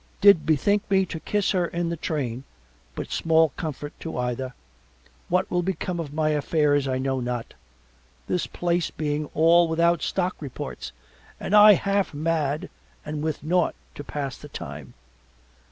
Did bethink me to kiss her in the train, but small comfort to either. What will become of my affairs I know not, this place being all without stock reports and I half mad and with naught to pass the time.